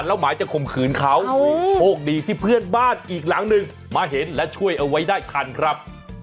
แล้วหมายจะข่มขืนเขาโชคดีที่เพื่อนบ้านอีกหลังหนึ่งมาเห็นและช่วยเอาไว้ได้ทันครับ